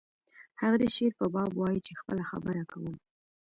هغه د شعر په باب وایی چې خپله خبره کوم